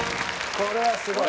これはすごい。